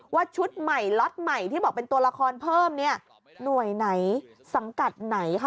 ชุดใหม่ล็อตใหม่ที่บอกเป็นตัวละครเพิ่มเนี่ยหน่วยไหนสังกัดไหนค่ะ